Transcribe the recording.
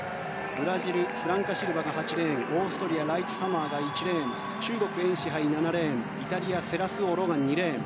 ブラジル、フランカ・シルバが８レーンオーストリアライツハマーが１レーン中国、エン・シハイが７レーンイタリアセラスオロが２レーン。